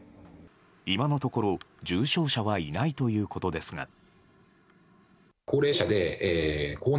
今のところ重症者はいないということですが。